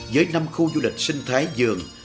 với năm khu du lịch sinh thái giường